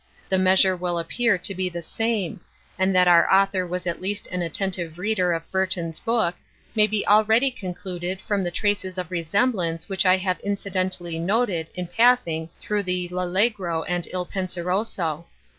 The measure will appear to be the same; and that our author was at least an attentive reader of Burton's book, may be already concluded from the traces of resemblance which I have incidentally noticed in passing through the L' Allegro and Il Penseroso.